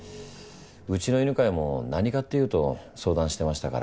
うちの犬飼も何かっていうと相談してましたから。